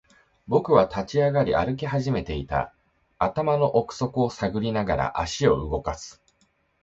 僕は立ち上がり、歩き始めていた。頭の奥底を探りながら、足を動かす。